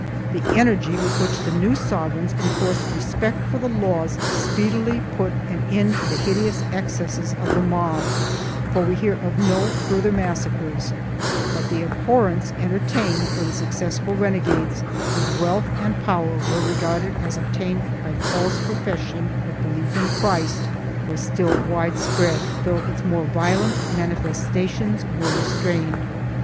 The energy with which the new sovereigns enforced respect for the laws speedily put an end to the hideous excesses of the mob, for we hear of no further massacres, but the abhorrence entertained for the successful renegades, whose wealth and power were regarded as obtained by false profession of belief in Christ, was still wide spread, though its more violent manifestations were restrained.